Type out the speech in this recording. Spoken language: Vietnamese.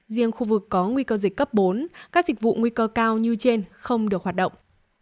riêng khu vực có nguy cơ dịch cấp bốn các dịch vụ nguy cơ cao như trên không được hoạt động